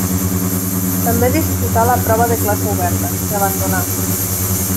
També disputà la prova de classe oberta, que abandonà.